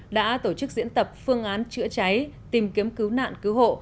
đã tổ chức diễn tập phương án chữa cháy tìm kiếm cứu nạn cứu hộ